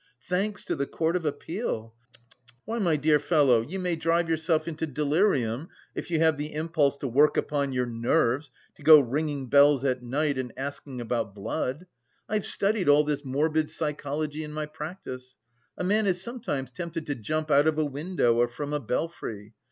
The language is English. Thanks to the Court of Appeal! Tut tut tut! Why, my dear fellow, you may drive yourself into delirium if you have the impulse to work upon your nerves, to go ringing bells at night and asking about blood! I've studied all this morbid psychology in my practice. A man is sometimes tempted to jump out of a window or from a belfry.